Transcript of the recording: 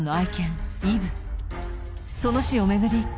その死を巡り